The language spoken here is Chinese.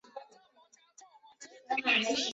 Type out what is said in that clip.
佩纳福蒂是巴西塞阿拉州的一个市镇。